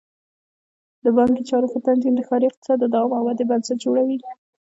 د بانکي چارو ښه تنظیم د ښاري اقتصاد د دوام او ودې بنسټ جوړوي.